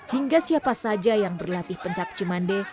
hingga siapa saja yang berlatih pencak cimande